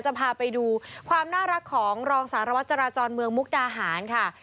จะพาไปดูความน่ารักของรองสารวัตรจราจรเมืองมุกดาหารค่ะ